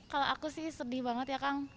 kalau aku sih sedih banget ya kang